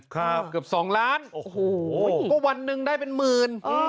เกือบ๒ล้านก็วันหนึ่งได้เป็นหมื่น